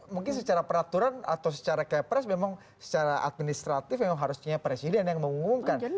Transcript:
mungkin secara peraturan atau secara kepres memang secara administratif memang harusnya presiden yang mengumumkan